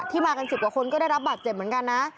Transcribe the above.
มากัน๑๐กว่าคนก็ได้รับบาดเจ็บเหมือนกันนะ